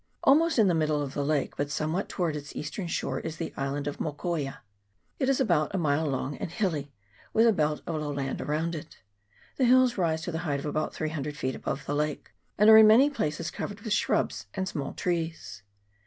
Almost in the middle of the lake, but somewhat towards its eastern shore, is the island of Mokoia. It is about a mile long, and hilly, with a belt of low land around it. The hills rise to the height of about 300 feet above the lake, and are in many places covered with shrubs and small trees.